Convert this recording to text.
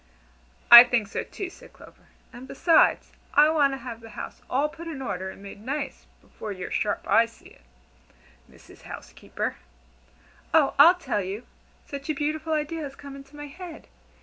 "I think so too," said Clover; "and beside, I want to have the house all put in order and made nice, before your sharp eyes see it, Mrs. Housekeeper. Oh, I'll tell you! Such a beautiful idea has come into my head!